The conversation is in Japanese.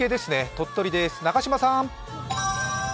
鳥取です、中島さん。